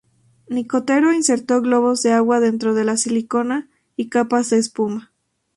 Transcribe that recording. Nicotero insertó globos de agua dentro de la silicona y capas de espuma.